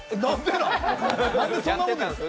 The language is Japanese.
なんでそんなこと言うんですか。